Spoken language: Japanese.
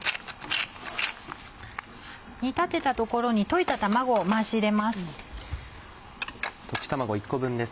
煮立てたところに溶いた卵を回し入れます。